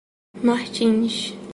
Martins